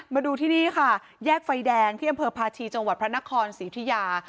มาดูที่นี่ค่ะแยกไฟแดงที่อำเภอพาชีจังหวัดพระนครศรีอุทิยา